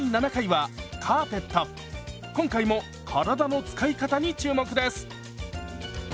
今回も体の使い方に注目です！